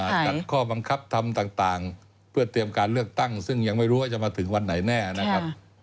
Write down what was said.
จัดข้อบังคับทำต่างเพื่อเตรียมการเลือกตั้งซึ่งยังไม่รู้ว่าจะมาถึงวันไหนแน่นะครับ